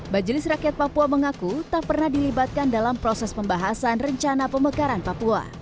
majelis rakyat papua mengaku tak pernah dilibatkan dalam proses pembahasan rencana pemekaran papua